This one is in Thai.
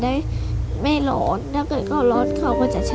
จะได้ไม่ร้อนแล้วก็ร้อนเขาก็จะช้า